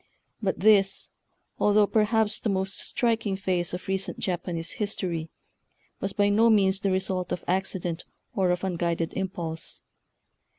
But this, although perhaps the most striking phase of recent Japanese history, was by no means the result of accident or of un guided impulse.